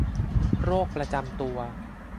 โรคประจำตัว